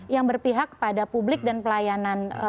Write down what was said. yang berpihak kepada publik dan pelayanan